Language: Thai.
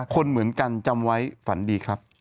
คนเหมือนกันจำไว้ฝันดีครับ